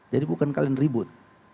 jadi bukan kalian ribut